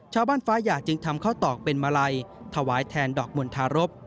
ฟ้าหยาจึงทำข้าวตอกเป็นมาลัยถวายแทนดอกมณฑารบ